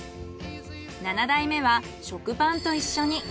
７代目は食パンと一緒に。